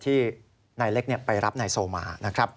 ที่นายเล็กไปรับนายโซ่มา